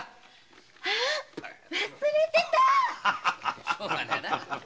あッ忘れてたァ！